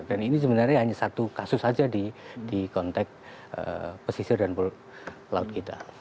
dan ini sebenarnya hanya satu kasus saja di konteks pesisir dan pulau pulau kita